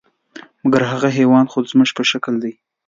مګر هغه حیوان خو زموږ په شکل دی .